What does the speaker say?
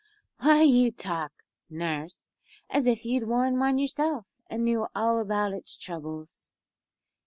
"Why you talk, nurse, as if you had worn one yourself, and knew all about its troubles."